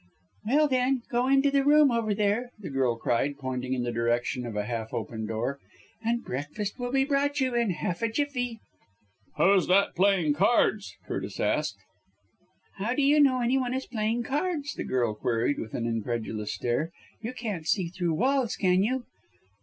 "Well, then, go into the room over there," the girl cried, pointing in the direction of a half open door, "and breakfast will be brought you in half a jiffy." "Who's that playing cards?" Curtis asked. "How do you know any one is playing cards?" the girl queried with an incredulous stare. "You can't see through walls, can you?"